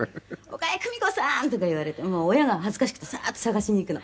「“岡江久美子さん！”とか言われてもう親が恥ずかしくてサーッと捜しに行くの」